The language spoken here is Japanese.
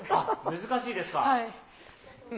難しいですか？